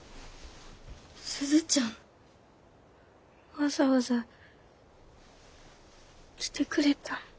わざわざ来てくれたん？